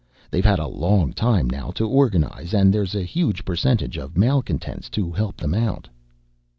They've had a long time now to organize, and there's a huge percentage of malcontents to help them out."